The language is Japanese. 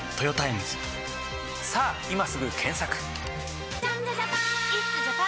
さぁ今すぐ検索！